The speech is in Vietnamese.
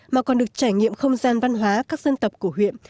mà còn được trải nghiệm không gian văn hóa các dân tộc của huyện